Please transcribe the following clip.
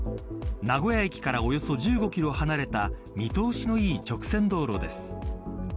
名古屋駅からおよそ１５キロ離れた見通しのいい直線道路です。